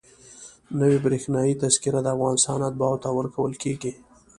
نوې برېښنایي تذکره د افغانستان اتباعو ته ورکول کېږي.